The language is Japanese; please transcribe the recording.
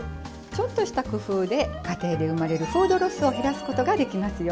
ちょっとした工夫で家庭で生まれるフードロスを減らすことができますよ。